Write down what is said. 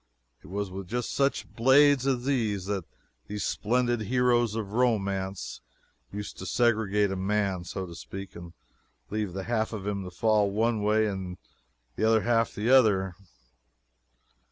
It was with just such blades as these that these splendid heroes of romance used to segregate a man, so to speak, and leave the half of him to fall one way and the other half the other.